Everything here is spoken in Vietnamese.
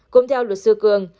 cùng theo luật sư cường